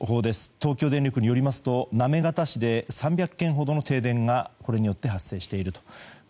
東京電力によりますと行方市で３００軒ほどの停電がこれによって発生しているということです。